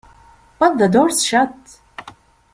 But the door's shut.